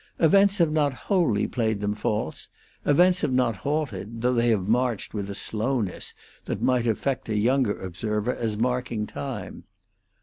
Events have not wholly played them false; events have not halted, though they have marched with a slowness that might affect a younger observer as marking time.